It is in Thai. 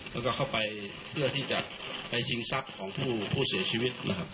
แล้วก็เข้าไปเพื่อที่จะไปชิงทรัพย์ของผู้เสียชีวิตนะครับ